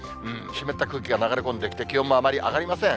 湿った空気が流れ込んできて、気温もあまり上がりません。